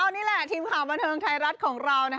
นี่แหละทีมข่าวบันเทิงไทยรัฐของเรา